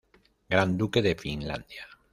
Gran Duque de Finlandia.